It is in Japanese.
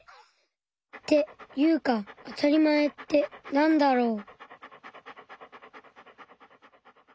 っていうかあたりまえってなんだろう？